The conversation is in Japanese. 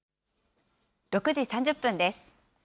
６時３０分です。